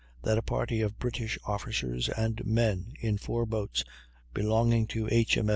that a party of British officers and men, in four boats belonging to H.